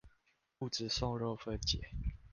物質受熱分解